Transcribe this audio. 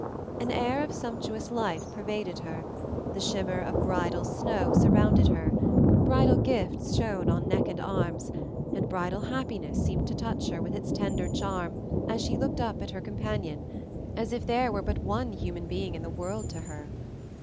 An air of sumptuous life pervaded her, the shimmer of bridal snow surrounded her, bridal gifts shone on neck and arms, and bridal happiness seemed to touch her with its tender charm as she looked up at her companion, as if there were but one human being in the world to her.